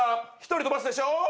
１人飛ばすでしょ？